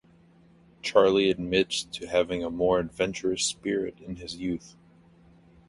Charlie admits to having a more adventurous spirit in his youth.